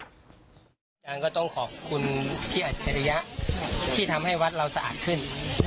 อาจารย์ก็ต้องขอบคุณพี่อัจฉริยะที่ทำให้วัดเราสะอาดขึ้น